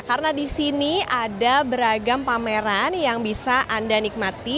karena di sini ada beragam pameran yang bisa anda nikmati